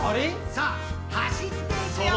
「さあ走っていくよー！」